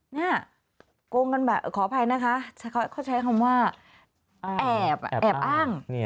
เนี่ยโกงกันแบบขออภัยนะคะเขาใช้คำว่าแอบอ้าง